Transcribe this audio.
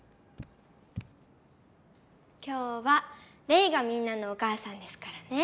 今日はレイがみんなのおかあさんですからね。